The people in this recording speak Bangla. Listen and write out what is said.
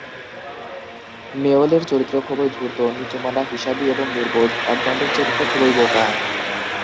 মেয়লের চরিত্র খুবই ধূর্ত, নিচুমনা, হিসাবী এবং নির্বোধ; এডমন্ডের চরিত্র খুবই বোকা।